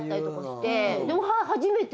でも初めて。